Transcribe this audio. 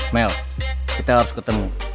mel kita harus ketemu